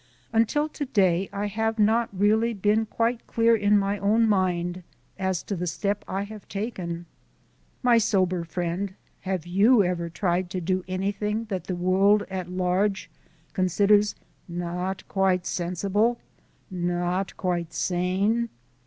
Until to day I have not really been quite clear in my own mind as to the step I have taken. My sober friend, have you ever tried to do anything that the world at large considers not quite sensible, not quite sane?